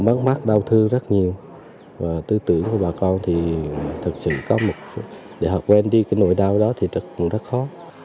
họ mất mắt đau thương rất nhiều và tư tưởng của bà con thì thật sự có một để họ quên đi cái nỗi đau đó thì cũng rất khó